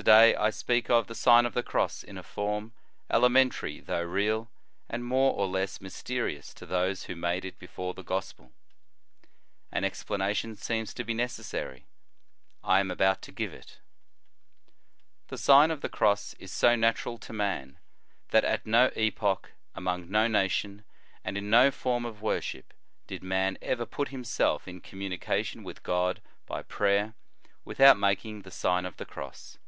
To day I speak of the Sign of the Cross in a form, elementary though real, and more or less mysterious to those who made it before the Gospel. An 92 The Sign of the Cross. 93 explanation seems to be necessary. I am about to give it. The Sien of the Cross is so natural to man, o that at no epoch, among no nation, and in no form of worship, did man ever put himself in communication with God by prayer, without making the Sign of the Cross.